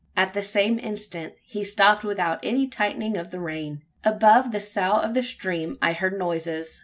At the same instant, he stopped without any tightening of the rein! Above the sough of the stream, I heard noises.